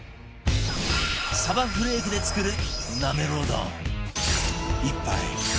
さばフレークで作るなめろう丼１杯